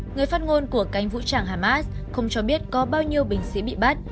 người phát ngôn của cánh vũ trang hamas không cho biết có bao nhiêu binh sĩ bị bắt